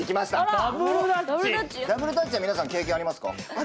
ダブルダッチは皆さん経験ありますか？